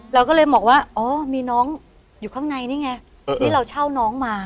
เราก็เลยบอกว่าอ๋อมีน้องอยู่ข้างในนี่ไงนี่เราเช่าน้องมา